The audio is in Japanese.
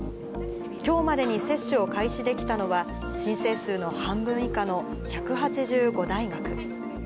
きょうまでに接種を開始できたのは、申請数の半分以下の１８５大学。